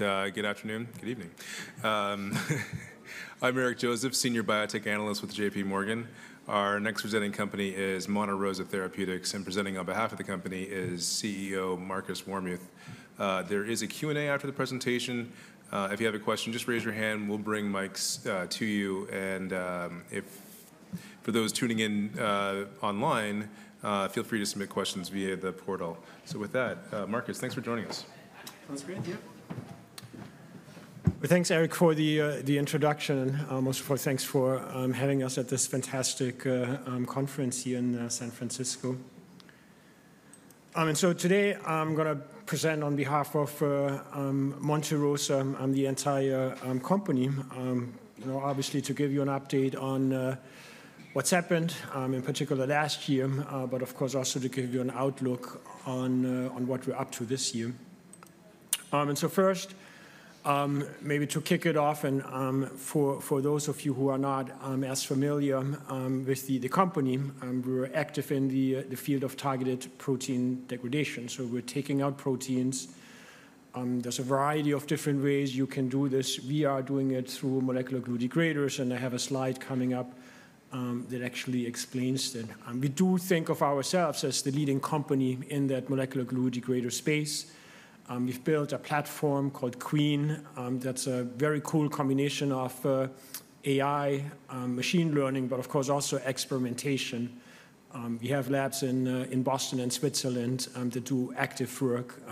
All right. Good afternoon. Good evening. I'm Eric Joseph, Senior Biotech Analyst with J.P. Morgan. Our next presenting company is Monte Rosa Therapeutics, and presenting on behalf of the company is CEO Markus Warmuth. There is a Q&A after the presentation. If you have a question, just raise your hand. We'll bring mics to you, and for those tuning in online, feel free to submit questions via the portal, so with that, Markus, thanks for joining us. Sounds great. Yeah. Thanks, Eric, for the introduction. And most of all, thanks for having us at this fantastic conference here in San Francisco. And so today, I'm going to present on behalf of Monte Rosa and the entire company, obviously, to give you an update on what's happened, in particular last year, but of course, also to give you an outlook on what we're up to this year. And so first, maybe to kick it off, and for those of you who are not as familiar with the company, we're active in the field of targeted protein degradation. So we're taking out proteins. There's a variety of different ways you can do this. We are doing it through molecular glue degraders. And I have a slide coming up that actually explains that. We do think of ourselves as the leading company in that molecular glue degrader space. We've built a platform called QuEEN. That's a very cool combination of AI, machine learning, but of course, also experimentation. We have labs in Boston and Switzerland that do active work.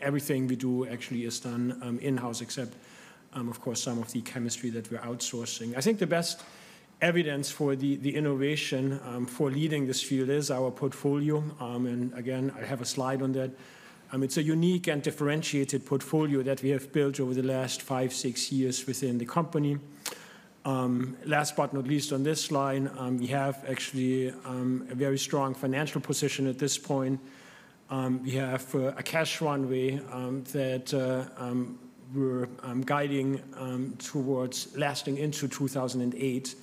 Everything we do actually is done in-house, except, of course, some of the chemistry that we're outsourcing. I think the best evidence for the innovation for leading this field is our portfolio, and again, I have a slide on that. It's a unique and differentiated portfolio that we have built over the last five, six years within the company. Last but not least, on this slide, we have actually a very strong financial position at this point. We have a cash runway that we're guiding towards lasting into 2028,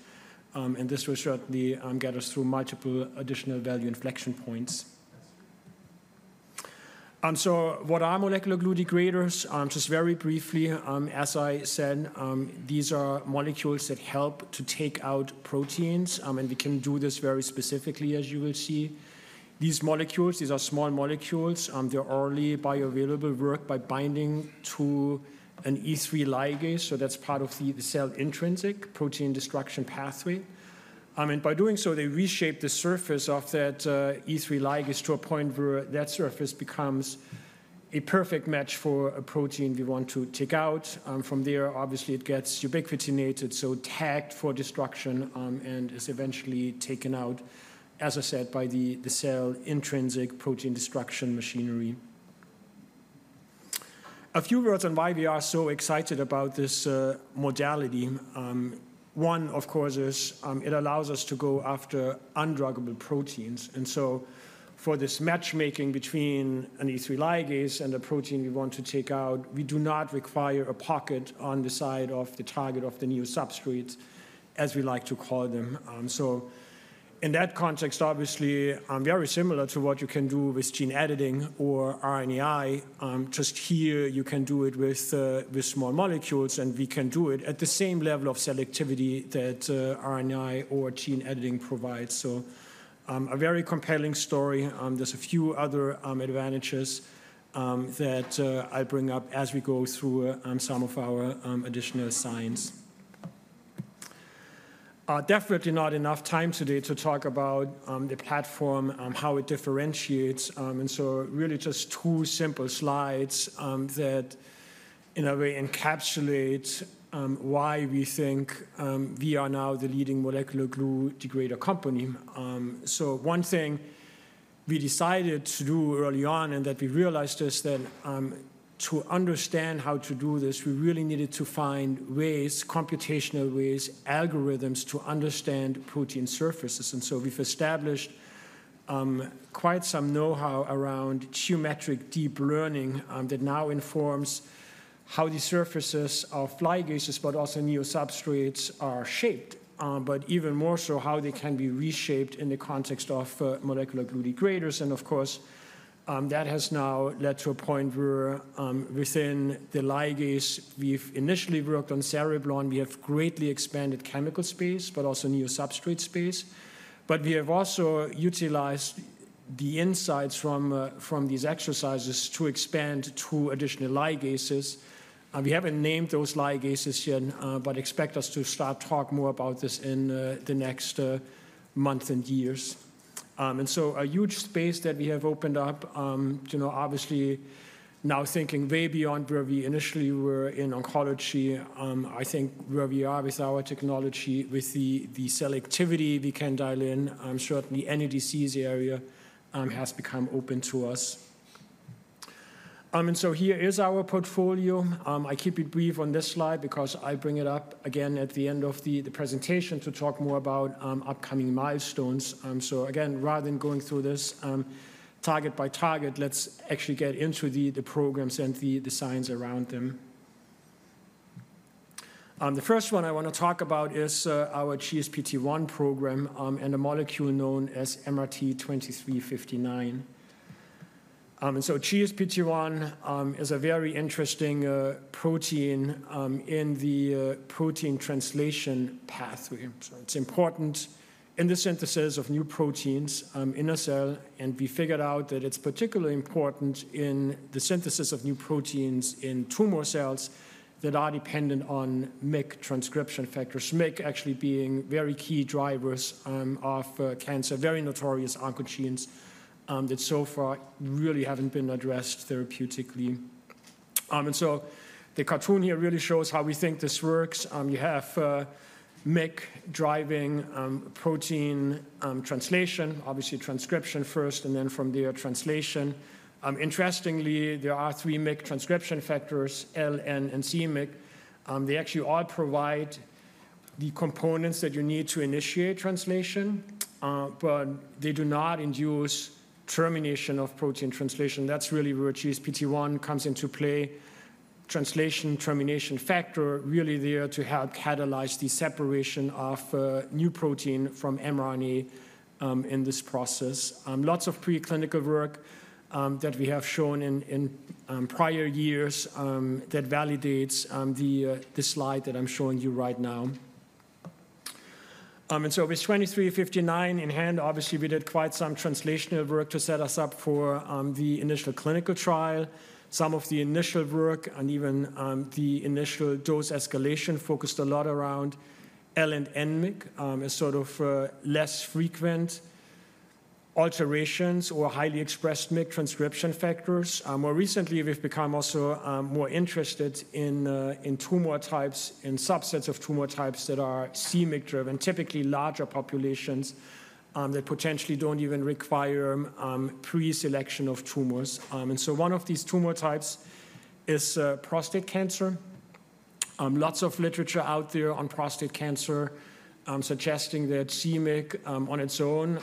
and this will certainly get us through multiple additional value inflection points. What are molecular glue degraders? Just very briefly, as I said, these are molecules that help to take out proteins. And we can do this very specifically, as you will see. These molecules, these are small molecules. They're orally bioavailable, work by binding to an E3 ligase. So that's part of the cell intrinsic protein destruction pathway. And by doing so, they reshape the surface of that E3 ligase to a point where that surface becomes a perfect match for a protein we want to take out. From there, obviously, it gets ubiquitinated, so tagged for destruction, and is eventually taken out, as I said, by the cell intrinsic protein destruction machinery. A few words on why we are so excited about this modality. One, of course, is it allows us to go after undruggable proteins. And so for this matchmaking between an E3 ligase and a protein we want to take out, we do not require a pocket on the side of the target, the neo-substrate, as we like to call them. So in that context, obviously, very similar to what you can do with gene editing or RNAi, just here, you can do it with small molecules. And we can do it at the same level of selectivity that RNAi or gene editing provides. So a very compelling story. There's a few other advantages that I'll bring up as we go through some of our additional science. Definitely not enough time today to talk about the platform, how it differentiates. And so really just two simple slides that, in a way, encapsulate why we think we are now the leading molecular glue degrader company. So one thing we decided to do early on, and that we realized is that to understand how to do this, we really needed to find ways, computational ways, algorithms to understand protein surfaces. And so we've established quite some know-how around geometric deep learning that now informs how the surfaces of ligases, but also neosubstrates, are shaped, but even more so how they can be reshaped in the context of molecular glue degraders. And of course, that has now led to a point where, within the ligase, we've initially worked on Cereblon. We have greatly expanded chemical space, but also neosubstrate space. But we have also utilized the insights from these exercises to expand to additional ligases. We haven't named those ligases yet, but expect us to start talking more about this in the next month and years. And so a huge space that we have opened up, obviously, now thinking way beyond where we initially were in oncology. I think where we are with our technology, with the selectivity we can dial in, certainly any disease area has become open to us. And so here is our portfolio. I keep it brief on this slide because I bring it up again at the end of the presentation to talk more about upcoming milestones. So again, rather than going through this target by target, let's actually get into the programs and the science around them. The first one I want to talk about is our GSPT1 program and a molecule known as MRT-2359. And so GSPT1 is a very interesting protein in the protein translation pathway. So it's important in the synthesis of new proteins in a cell. And we figured out that it's particularly important in the synthesis of new proteins in tumor cells that are dependent on MYC transcription factors, MYC actually being very key drivers of cancer, very notorious oncogenes that so far really haven't been addressed therapeutically. And so the cartoon here really shows how we think this works. You have MYC driving protein translation, obviously transcription first, and then from there, translation. Interestingly, there are three MYC transcription factors, L-MYC, N-MYC, and C-MYC. They actually all provide the components that you need to initiate translation, but they do not induce termination of protein translation. That's really where GSPT1 comes into play. Translation termination factor, really there to help catalyze the separation of new protein from mRNA in this process. Lots of preclinical work that we have shown in prior years that validates the slide that I'm showing you right now. And so with 2359 in hand, obviously, we did quite some translational work to set us up for the initial clinical trial. Some of the initial work and even the initial dose escalation focused a lot around L-MYC and N-MYC as sort of less frequent alterations or highly expressed MYC transcription factors. More recently, we've become also more interested in tumor types and subsets of tumor types that are C-MYC driven, typically larger populations that potentially don't even require preselection of tumors. And so one of these tumor types is prostate cancer. Lots of literature out there on prostate cancer suggesting that C-MYC on its own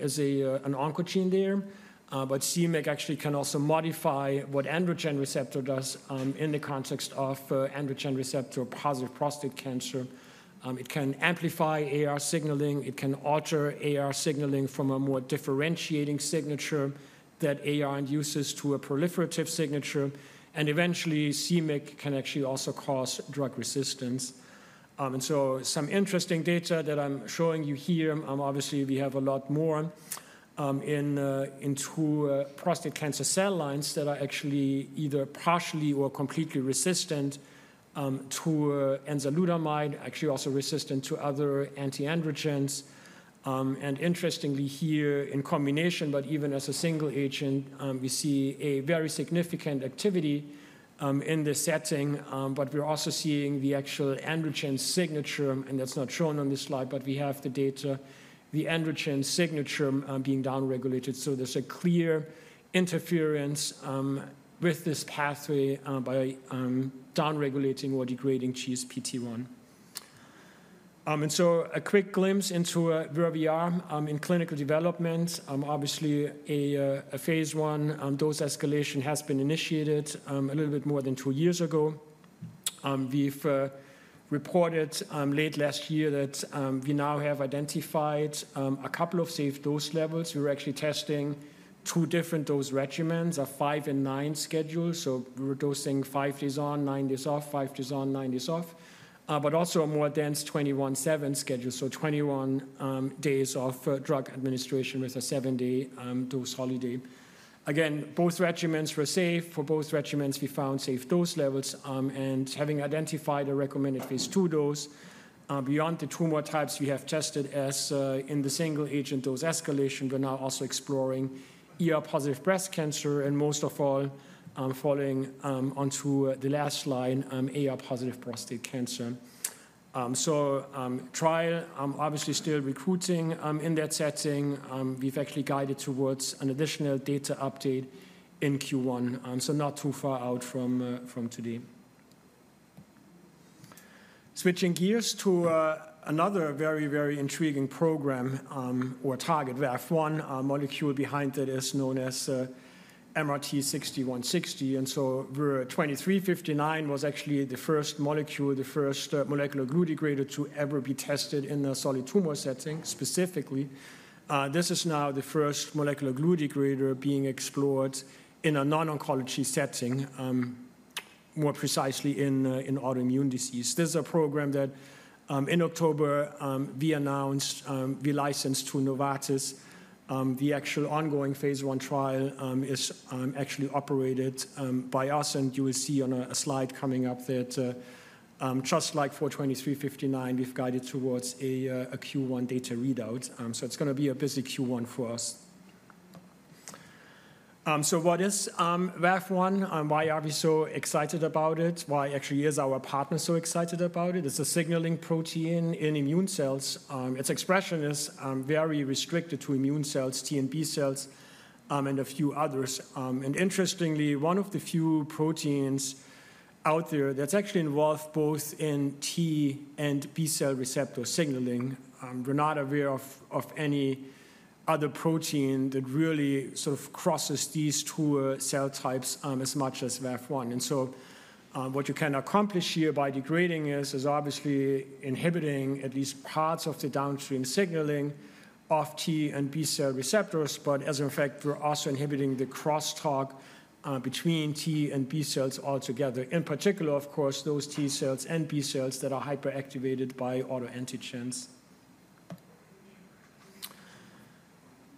is an oncogene there. But C-MYC actually can also modify what androgen receptor does in the context of androgen receptor-positive prostate cancer. It can amplify AR signaling. It can alter AR signaling from a more differentiating signature that AR induces to a proliferative signature. Eventually, C-MYC can actually also cause drug resistance. So some interesting data that I'm showing you here, obviously, we have a lot more in two prostate cancer cell lines that are actually either partially or completely resistant to enzalutamide, actually also resistant to other antiandrogens. Interestingly here, in combination, but even as a single agent, we see a very significant activity in this setting. But we're also seeing the actual androgen signature, and that's not shown on this slide, but we have the data, the androgen signature being downregulated. So there's a clear interference with this pathway by downregulating or degrading GSPT1. So a quick glimpse into where we are in clinical development. Obviously, a phase 1 dose escalation has been initiated a little bit more than two years ago. We've reported late last year that we now have identified a couple of safe dose levels. We were actually testing two different dose regimens, a five and nine schedule. So we were dosing five days on, nine days off, five days on, nine days off, but also a more dense 21/7 schedule, so 21 days of drug administration with a seven-day dose holiday. Again, both regimens were safe. For both regimens, we found safe dose levels, and having identified a recommended phase two dose, beyond the tumor types we have tested as in the single agent dose escalation, we're now also exploring ER-positive breast cancer, and most of all, following onto the last line, AR-positive prostate cancer so trial, obviously, still recruiting in that setting. We've actually guided towards an additional data update in Q1, so not too far out from today. Switching gears to another very, very intriguing program or target. We have one molecule behind that is known as MRT-6160. And so 2359 was actually the first molecule, the first molecular glue degrader to ever be tested in a solid tumor setting specifically. This is now the first molecular glue degrader being explored in a non-oncology setting, more precisely in autoimmune disease. This is a program that in October, we announced, we licensed to Novartis. The actual ongoing phase one trial is actually operated by us. And you will see on a slide coming up that just like for 2359, we've guided towards a Q1 data readout. So it's going to be a busy Q1 for us. So what is VAV1? Why are we so excited about it? Why actually is our partner so excited about it? It's a signaling protein in immune cells. Its expression is very restricted to immune cells, T and B cells, and a few others. Interestingly, one of the few proteins out there that's actually involved both in T and B cell receptor signaling. We're not aware of any other protein that really sort of crosses these two cell types as much as VAV1. And so what you can accomplish here by degrading is obviously inhibiting at least parts of the downstream signaling of T and B cell receptors. But as a result, we're also inhibiting the crosstalk between T and B cells altogether, in particular, of course, those T cells and B cells that are hyperactivated by autoantigens.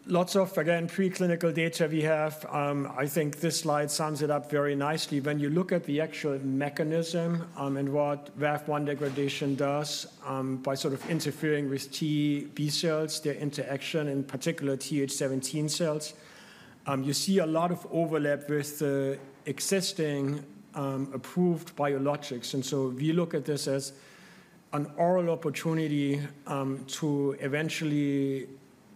Lots of, again, preclinical data we have. I think this slide sums it up very nicely. When you look at the actual mechanism and what VAV1 degradation does by sort of interfering with T, B cells, their interaction, in particular, TH17 cells, you see a lot of overlap with the existing approved biologics. And so we look at this as an oral opportunity to eventually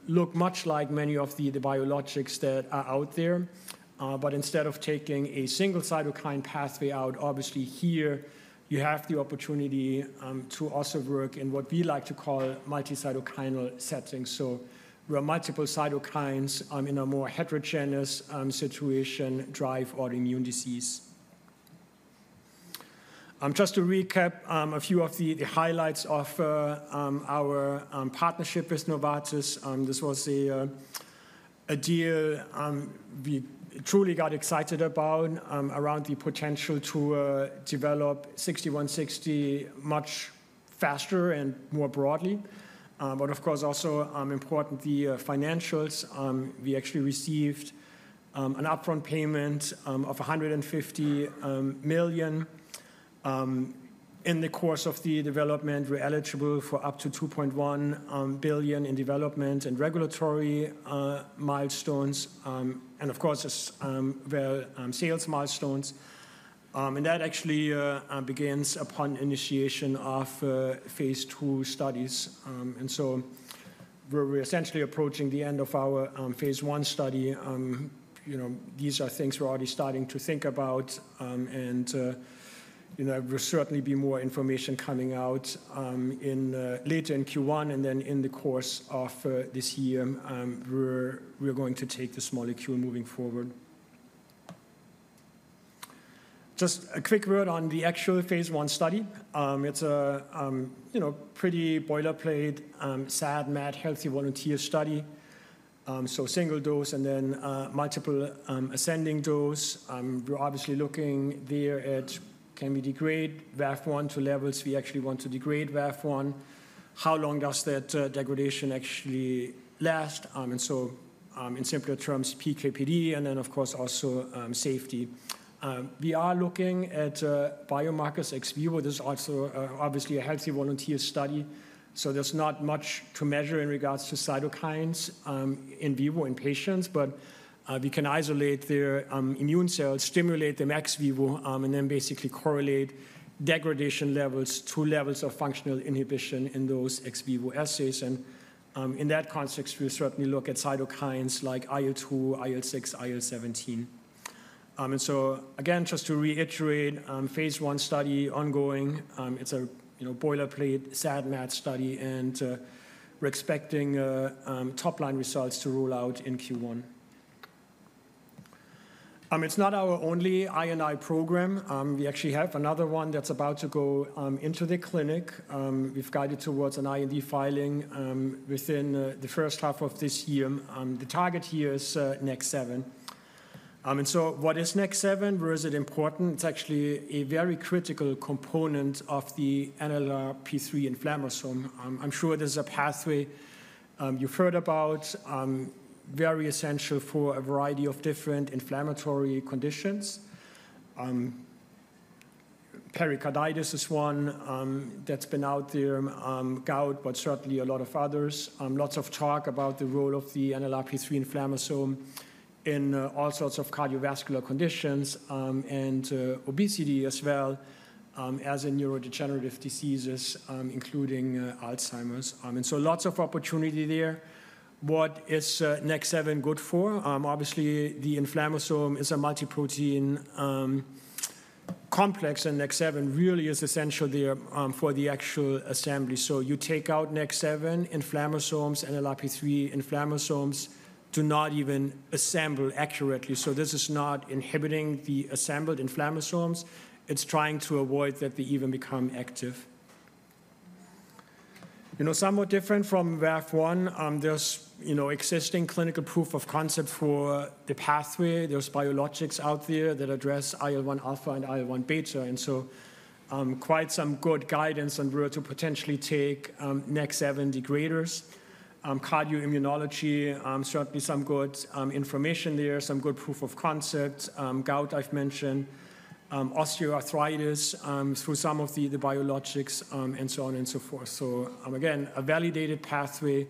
look much like many of the biologics that are out there. But instead of taking a single cytokine pathway out, obviously, here, you have the opportunity to also work in what we like to call multi-cytokine settings. So where multiple cytokines in a more heterogeneous situation drive autoimmune disease. Just to recap a few of the highlights of our partnership with Novartis, this was a deal we truly got excited about around the potential to develop 6160 much faster and more broadly. But of course, also importantly, financials. We actually received an upfront payment of $150 million. In the course of the development, we're eligible for up to $2.1 billion in development and regulatory milestones. And of course, there's sales milestones. And that actually begins upon initiation of phase two studies. We're essentially approaching the end of our phase one study. These are things we're already starting to think about. There will certainly be more information coming out later in Q1. Then in the course of this year, we're going to take this molecule moving forward. Just a quick word on the actual phase one study. It's a pretty boilerplate, SAD, MAD, healthy volunteer study. So single dose and then multiple ascending dose. We're obviously looking there at, can we degrade VAV1 to levels we actually want to degrade VAV1? How long does that degradation actually last? In simpler terms, PKPD, and then, of course, also safety. We are looking at biomarkers ex vivo. This is also obviously a healthy volunteer study. So there's not much to measure in regards to cytokines in vivo in patients. But we can isolate their immune cells, stimulate them ex vivo, and then basically correlate degradation levels to levels of functional inhibition in those ex vivo assays. And in that context, we'll certainly look at cytokines like IL-2, IL-6, IL-17. And so again, just to reiterate, phase one study ongoing. It's a boilerplate, SAD, MAD study. And we're expecting top-line results to roll out in Q1. It's not our only IND program. We actually have another one that's about to go into the clinic. We've guided towards an IND filing within the first half of this year. The target here is NEK7. And so what is NEK7? Where is it important? It's actually a very critical component of the NLRP3 inflammasome. I'm sure this is a pathway you've heard about, very essential for a variety of different inflammatory conditions. Pericarditis is one that's been out there, gout, but certainly a lot of others. Lots of talk about the role of the NLRP3 inflammasome in all sorts of cardiovascular conditions and obesity as well as in neurodegenerative diseases, including Alzheimer's, and so lots of opportunity there. What is NEK7 good for? Obviously, the inflammasome is a multi-protein complex, and NEK7 really is essential there for the actual assembly, so you take out NEK7 inflammasomes, NLRP3 inflammasomes do not even assemble accurately, so this is not inhibiting the assembled inflammasomes. It's trying to avoid that they even become active. Somewhat different from VAV1, there's existing clinical proof of concept for the pathway. There's biologics out there that address IL-1 alpha and IL-1 beta, and so quite some good guidance on where to potentially take NEK7 degraders. Cardioimmunology, certainly some good information there, some good proof of concept. Gout, I've mentioned, osteoarthritis through some of the biologics, and so on and so forth. So again, a validated pathway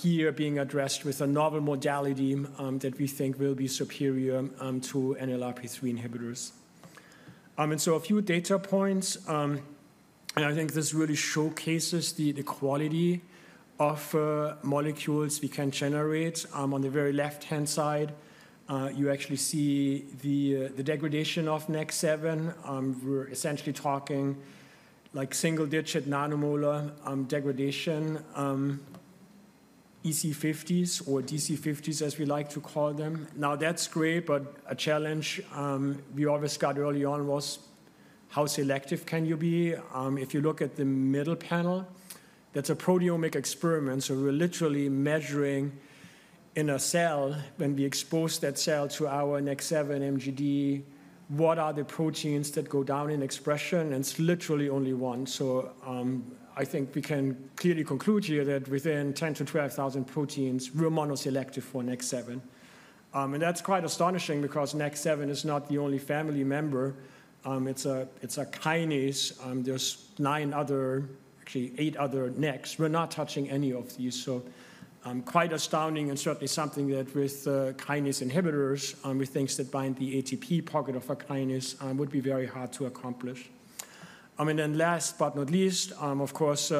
here being addressed with a novel modality that we think will be superior to NLRP3 inhibitors. And so a few data points, and I think this really showcases the quality of molecules we can generate. On the very left-hand side, you actually see the degradation of NEK7. We're essentially talking like single-digit nanomolar degradation, EC50s or DC50s, as we like to call them. Now, that's great, but a challenge we always got early on was how selective can you be? If you look at the middle panel, that's a proteomic experiment. So we're literally measuring in a cell when we expose that cell to our NEK7 MGD, what are the proteins that go down in expression? And it's literally only one. I think we can clearly conclude here that within 10,000-12,000 proteins, we're monoselective for NEK7. And that's quite astonishing because NEK7 is not the only family member. It's a kinase. There's nine other, actually eight other NEK. We're not touching any of these. So quite astounding and certainly something that with kinase inhibitors, with things that bind the ATP pocket of a kinase, would be very hard to accomplish. And then last but not least, of course,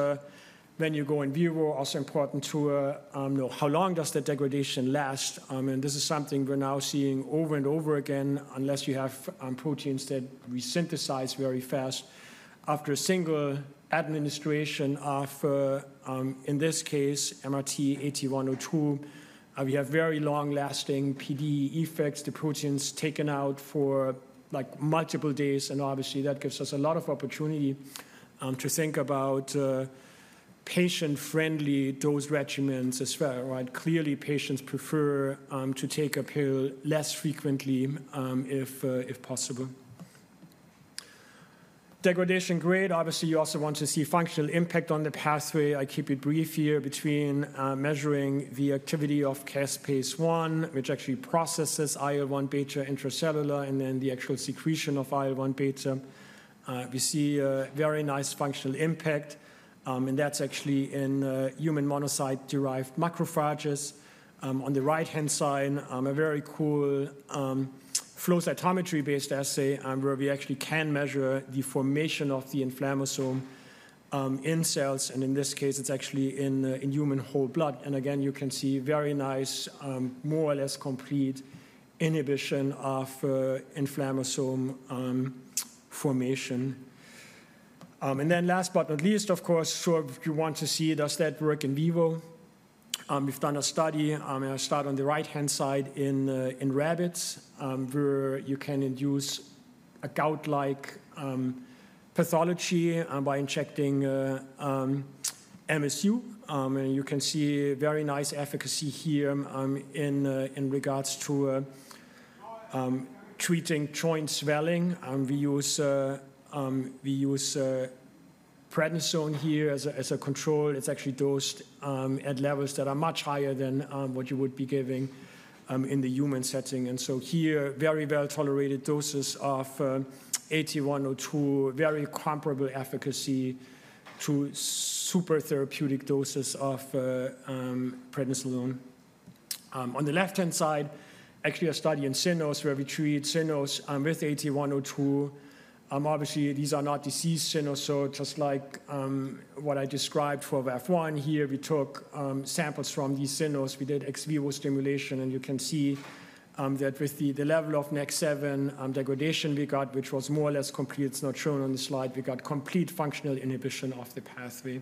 when you go in vivo, also important to know how long does the degradation last? And this is something we're now seeing over and over again, unless you have proteins that we synthesize very fast. After a single administration of, in this case, MRT-8102, we have very long-lasting PD effects. The protein's taken out for multiple days. Obviously, that gives us a lot of opportunity to think about patient-friendly dose regimens as well. Clearly, patients prefer to take a pill less frequently if possible. Degradation, right, obviously, you also want to see functional impact on the pathway. I keep it brief here between measuring the activity of Caspase-1, which actually processes IL-1 beta intracellular, and then the actual secretion of IL-1 beta. We see a very nice functional impact. That's actually in human monocyte-derived macrophages. On the right-hand side, a very cool flow cytometry-based assay where we actually can measure the formation of the inflammasome in cells. In this case, it's actually in human whole blood. Again, you can see very nice, more or less complete inhibition of inflammasome formation. And then last but not least, of course, so if you want to see does that work in vivo, we've done a study. I start on the right-hand side in rabbits where you can induce a gout-like pathology by injecting MSU. And you can see very nice efficacy here in regards to treating joint swelling. We use prednisone here as a control. It's actually dosed at levels that are much higher than what you would be giving in the human setting. And so here, very well tolerated doses of 8102, very comparable efficacy to super therapeutic doses of prednisolone. On the left-hand side, actually a study in cynos where we treat cynos with 8102. Obviously, these are not diseased cynos. So just like what I described for VAV1 here, we took samples from these cynos. We did ex vivo stimulation. And you can see that with the level of NEK7 degradation we got, which was more or less complete. It's not shown on the slide. We got complete functional inhibition of the pathway.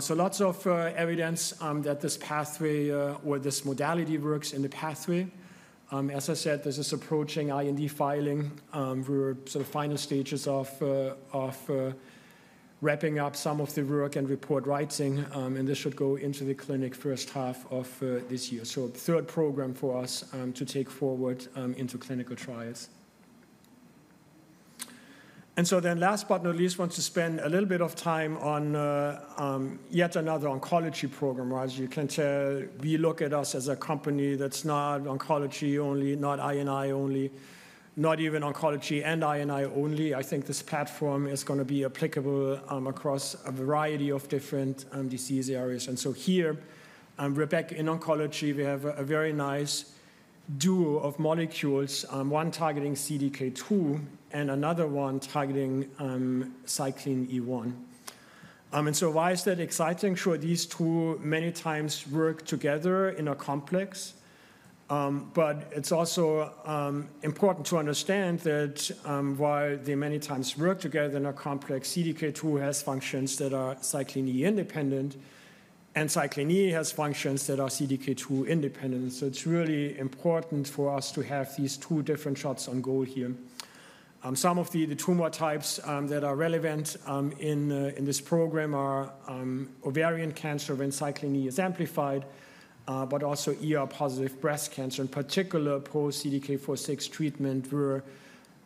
So lots of evidence that this pathway or this modality works in the pathway. As I said, this is approaching IND filing. We're sort of final stages of wrapping up some of the work and report writing. And this should go into the clinic first half of this year. So third program for us to take forward into clinical trials. And so then last but not least, want to spend a little bit of time on yet another oncology program. As you can tell, we look at us as a company that's not oncology only, not I&I only, not even oncology and I&I only. I think this platform is going to be applicable across a variety of different disease areas. And so here, Rebecca, in oncology, we have a very nice duo of molecules, one targeting CDK2 and another one targeting Cyclin E1. And so why is that exciting? Sure, these two many times work together in a complex. But it's also important to understand that while they many times work together in a complex, CDK2 has functions that are Cyclin E independent, and Cyclin E has functions that are CDK2 independent. So it's really important for us to have these two different shots on goal here. Some of the tumor types that are relevant in this program are ovarian cancer when Cyclin E is amplified, but also ER-positive breast cancer, in particular post-CDK4/6 treatment,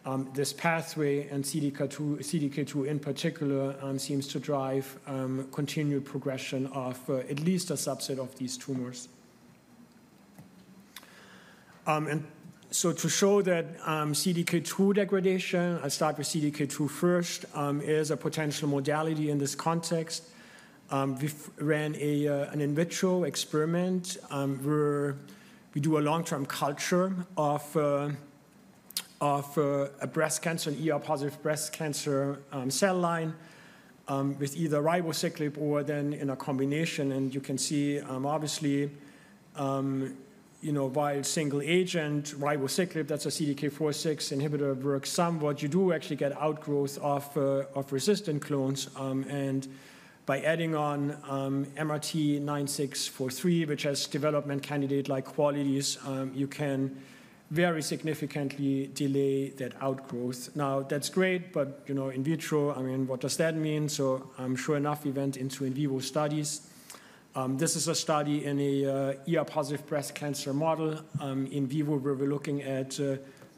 where this pathway and CDK2 in particular seems to drive continued progression of at least a subset of these tumors. And so to show that CDK2 degradation, I'll start with CDK2 first, is a potential modality in this context. We ran an in vitro experiment where we do a long-term culture of a breast cancer, an ER-positive breast cancer cell line with either ribociclib or, then, in a combination. And you can see, obviously, while single agent ribociclib, that's a CDK4/6 inhibitor, works somewhat, you do actually get outgrowth of resistant clones. And by adding on MRT-9643, which has development candidate-like qualities, you can very significantly delay that outgrowth. Now, that's great, but in vitro, I mean, what does that mean? So sure enough, we went into in vivo studies. This is a study in an ER-positive breast cancer model in vivo where we're looking at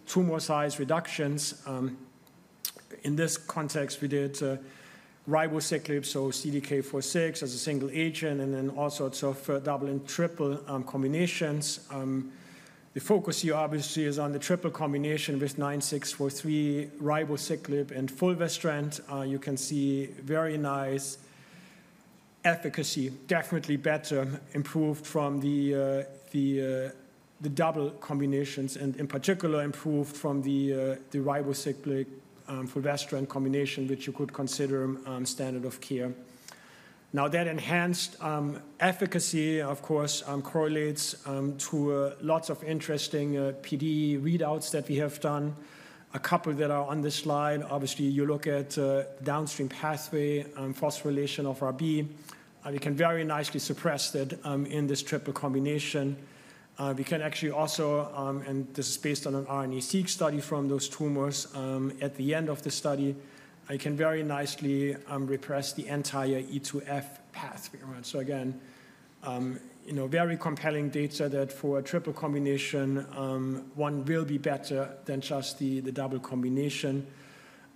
tumor size reductions. In this context, we did ribociclib, so CDK4/6 as a single agent, and then all sorts of double and triple combinations. The focus here, obviously, is on the triple combination with 9643, ribociclib, and fulvestrant. You can see very nice efficacy, definitely better, improved from the double combinations, and in particular, improved from the ribociclib-fulvestrant combination, which you could consider standard of care. Now, that enhanced efficacy, of course, correlates to lots of interesting PD readouts that we have done. A couple that are on this slide, obviously, you look at downstream pathway phosphorylation of Rb. We can very nicely suppress that in this triple combination. We can actually also, and this is based on an RNA-seq study from those tumors, at the end of the study, it can very nicely repress the entire E2F pathway around. So again, very compelling data that for a triple combination, one will be better than just the double combination.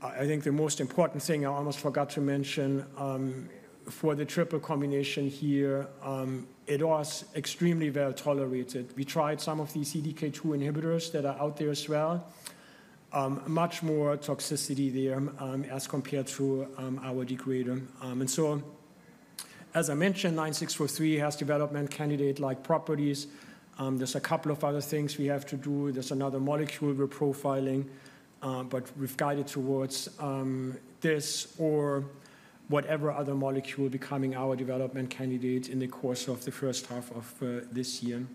I think the most important thing I almost forgot to mention, for the triple combination here, it was extremely well tolerated. We tried some of these CDK2 inhibitors that are out there as well. Much more toxicity there as compared to our degrader. And so, as I mentioned, MRT-9643 has development candidate-like properties. There's a couple of other things we have to do. There's another molecule we're profiling, but we've guided towards this or whatever other molecule becoming our development candidate in the course of the first half of this year.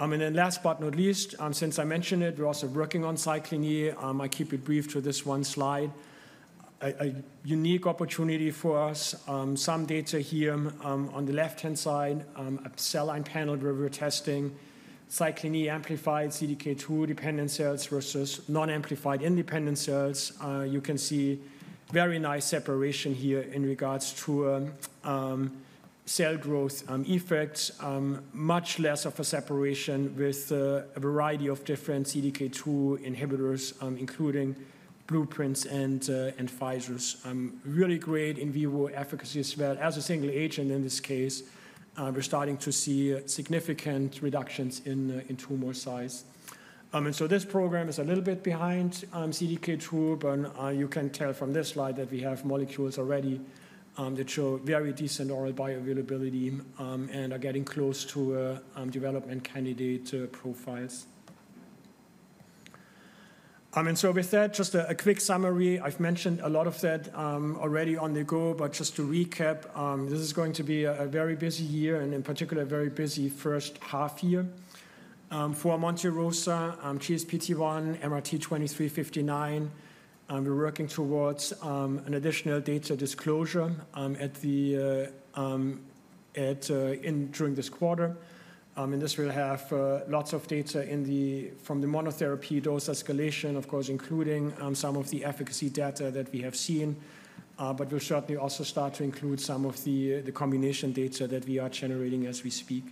And then last but not least, since I mentioned it, we're also working on cyclin E. I keep it brief to this one slide. A unique opportunity for us, some data here on the left-hand side, a cell line panel where we're testing cyclin E amplified CDK2 dependent cells versus non-amplified independent cells. You can see very nice separation here in regards to cell growth effects, much less of a separation with a variety of different CDK2 inhibitors, including Blueprint and Pfizer. Really great in vivo efficacy as well. As a single agent in this case, we're starting to see significant reductions in tumor size. And so this program is a little bit behind CDK2, but you can tell from this slide that we have molecules already that show very decent oral bioavailability and are getting close to development candidate profiles. And so with that, just a quick summary. I've mentioned a lot of that already on the go, but just to recap, this is going to be a very busy year and in particular, a very busy first half year. For Monte Rosa, GSPT1, MRT-2359, we're working towards an additional data disclosure during this quarter. And this will have lots of data from the monotherapy dose escalation, of course, including some of the efficacy data that we have seen. But we'll certainly also start to include some of the combination data that we are generating as we speak.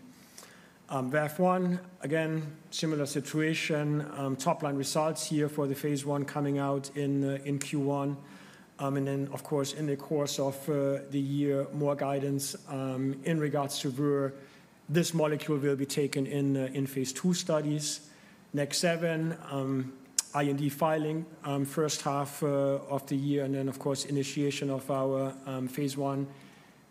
VAV1, again, similar situation, top-line results here for the phase one coming out in Q1. And then, of course, in the course of the year, more guidance in regards to where this molecule will be taken in phase two studies. NEK7, IND filing, first half of the year. And then, of course, initiation of our phase one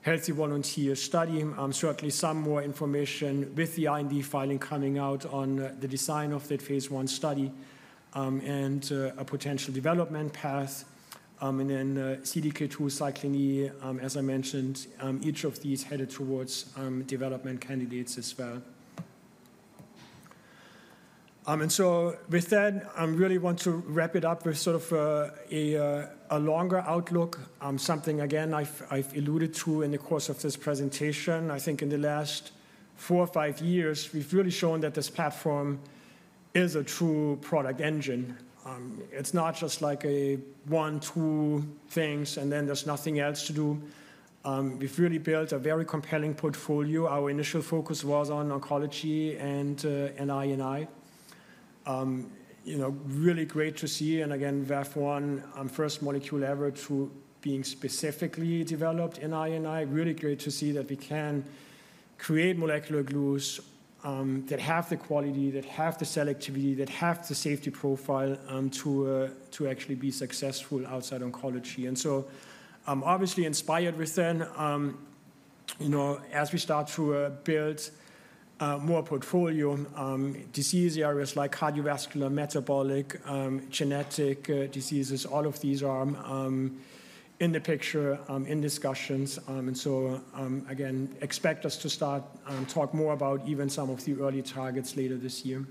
healthy volunteer study. Certainly, some more information with the IND filing coming out on the design of that phase one study and a potential development path. And then CDK2 cyclin E, as I mentioned, each of these headed towards development candidates as well. And so with that, I really want to wrap it up with sort of a longer outlook, something, again, I've alluded to in the course of this presentation. I think in the last four or five years, we've really shown that this platform is a true product engine. It's not just like a one, two things, and then there's nothing else to do. We've really built a very compelling portfolio. Our initial focus was on oncology and autoimmune. Really great to see. And again, VAV1, first molecule ever to be specifically developed in autoimmune. Really great to see that we can create molecular glues that have the quality, that have the selectivity, that have the safety profile to actually be successful outside oncology. And so obviously inspired within, as we start to build more portfolio, disease areas like cardiovascular, metabolic, genetic diseases, all of these are in the picture in discussions. And so again, expect us to start talk more about even some of the early targets later this year.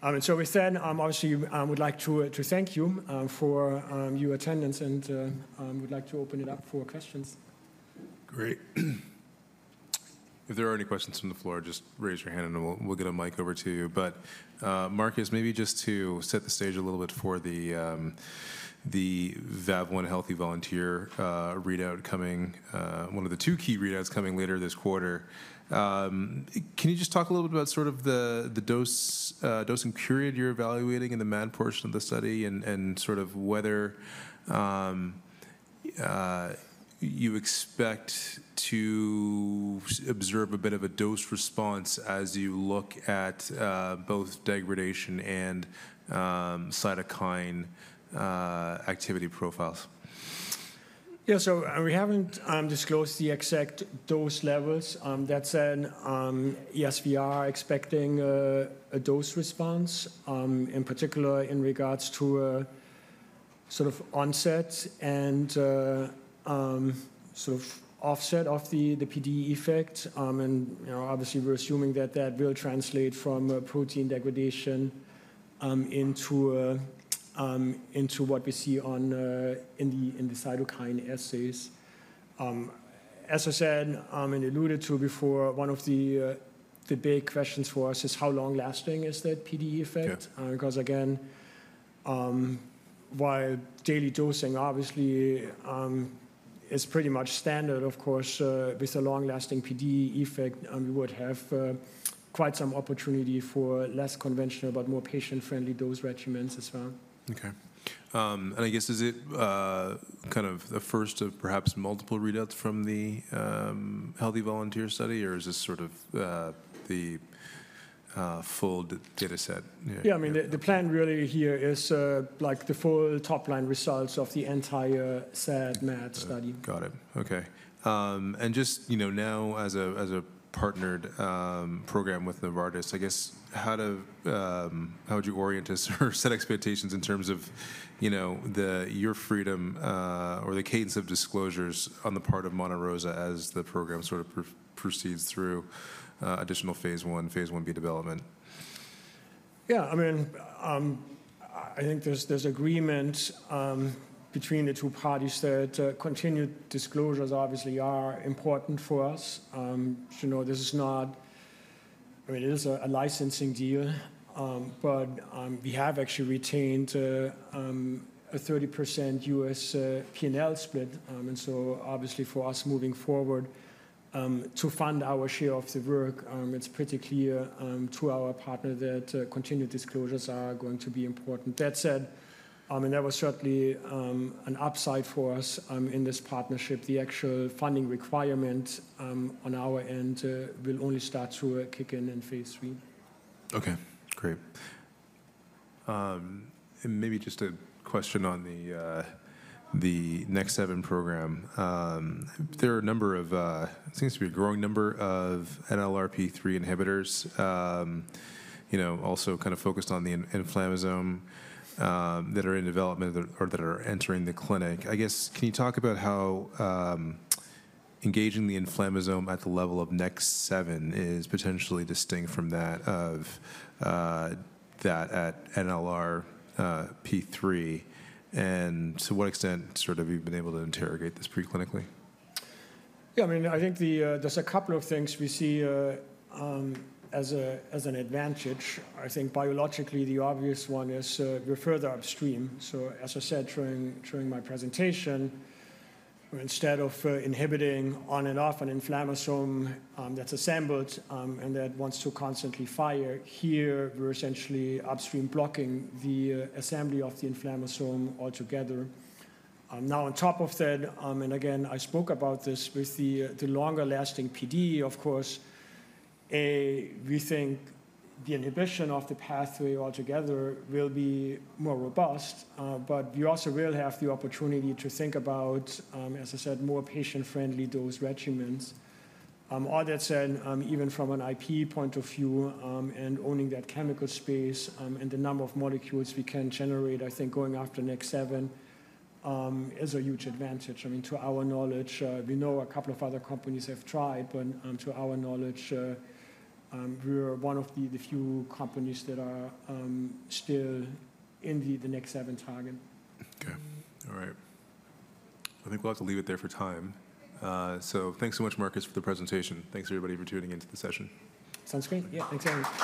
And so with that, obviously, I would like to thank you for your attendance and would like to open it up for questions. Great. If there are any questions from the floor, just raise your hand and we'll get a mic over to you. But Marcus, maybe just to set the stage a little bit for the VAV1 healthy volunteer readout coming, one of the two key readouts coming later this quarter. Can you just talk a little bit about sort of the dose and period you're evaluating in the MAD portion of the study and sort of whether you expect to observe a bit of a dose response as you look at both degradation and cytokine activity profiles? Yeah, so we haven't disclosed the exact dose levels. That's an yes, we are expecting a dose response, in particular in regards to sort of onset and sort of offset of the PD effect. And obviously, we're assuming that that will translate from protein degradation into what we see in the cytokine assays. As I said, and alluded to before, one of the big questions for us is how long lasting is that PD effect? Because again, while daily dosing obviously is pretty much standard, of course, with a long lasting PD effect, we would have quite some opportunity for less conventional, but more patient-friendly dose regimens as well. Okay, and I guess, is it kind of the first of perhaps multiple readouts from the healthy volunteer study, or is this sort of the full data set? Yeah, I mean, the plan really here is like the full top-line results of the entire SAD-MAD study. Got it. Okay. And just now, as a partnered program with Novartis, I guess, how would you orient or set expectations in terms of your freedom or the cadence of disclosures on the part of Monte Rosa as the program sort of proceeds through additional phase one, phase one B development? Yeah, I mean, I think there's agreement between the two parties that continued disclosures obviously are important for us. This is not, I mean, it is a licensing deal, but we have actually retained a 30% US P&L split, and so obviously, for us moving forward to fund our share of the work, it's pretty clear to our partner that continued disclosures are going to be important. That said, I mean, there was certainly an upside for us in this partnership. The actual funding requirement on our end will only start to kick in in phase three. Okay. Great. And maybe just a question on the NEK7 program. There are a number of, seems to be a growing number of NLRP3 inhibitors, also kind of focused on the inflammasome that are in development or that are entering the clinic. I guess, can you talk about how engaging the inflammasome at the level of NEK7 is potentially distinct from that at NLRP3? And to what extent sort of you've been able to interrogate this preclinically? Yeah, I mean, I think there's a couple of things we see as an advantage. I think biologically, the obvious one is we're further upstream. So as I said during my presentation, instead of inhibiting on and off an inflammasome that's assembled and that wants to constantly fire, here we're essentially upstream blocking the assembly of the inflammasome altogether. Now, on top of that, and again, I spoke about this with the longer lasting PD, of course, we think the inhibition of the pathway altogether will be more robust. But we also will have the opportunity to think about, as I said, more patient-friendly dose regimens. All that said, even from an IP point of view and owning that chemical space and the number of molecules we can generate, I think going after NEK7 is a huge advantage. I mean, to our knowledge, we know a couple of other companies have tried, but to our knowledge, we're one of the few companies that are still in the NEK7 target. Okay. All right. I think we'll have to leave it there for time. So thanks so much, Marcus, for the presentation. Thanks, everybody, for tuning into the session. Sounds great. Yeah, thanks, Eric.